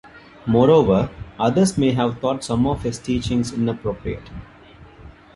Moreover, others may have thought some of his teachings inappropriate.